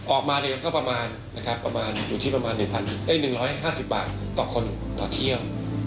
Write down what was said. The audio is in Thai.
ออกมาเลยก็ประมาณอยู่ที่ประมาณ๑๕๐บาทต่อคนต่อเที่ยว